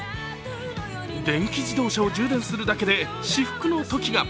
電気自動車を充電するだけで至福の時が。